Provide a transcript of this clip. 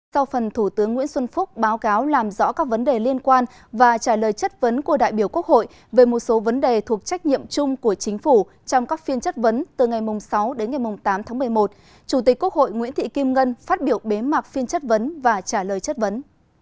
sau phần thủ tướng nguyễn xuân phúc báo cáo làm rõ các vấn đề liên quan và trả lời chất vấn của đại biểu quốc hội về một số vấn đề thuộc trách nhiệm chung của chính phủ trong các phiên chất vấn từ ngày sáu đến ngày tám tháng một mươi một chủ tịch quốc hội nguyễn thị kim ngân phát biểu bế mạc phiên chất vấn và trả lời chất vấn